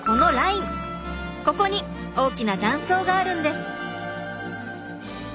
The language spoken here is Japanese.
ここに大きな断層があるんです。